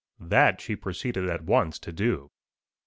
"That she proceeded at once to do.